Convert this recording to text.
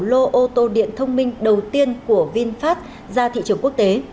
lô ô tô điện thông minh đầu tiên của vinfast ra thị trường quốc tế